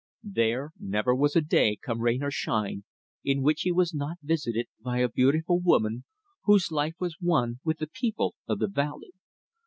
There never was a day, come rain or shine, in which he was not visited by a beautiful woman, whose life was one with the people of the valley.